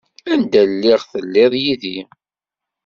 Anda lliɣ telliḍ yid-i.